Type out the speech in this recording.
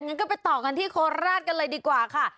งั้นก็ไปต่อกันที่โคราชกันเลยดีกว่าค่ะ